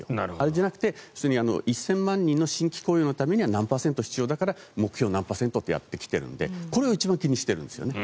じゃなくて１０００万人の新規雇用には何パーセント必要だから目標、何パーセントとやっているのでこれを一番気にしているんですよね。